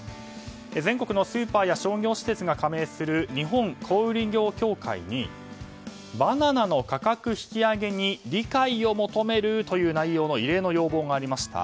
全国のスーパーや商業施設が加盟する日本小売業協会にバナナの価格引き上げに理解を求めるという内容の異例の要望がありました。